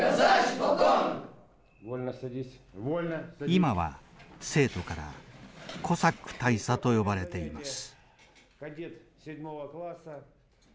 今は生徒からコサック大佐と呼ばれています。